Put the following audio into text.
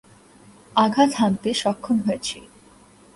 আঘাত হানতে সক্ষম হয়েছি!